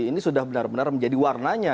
ini sudah benar benar menjadi warnanya